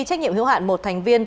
trách nhiệm hiệu hạn một thành viên